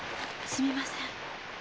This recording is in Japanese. すみません。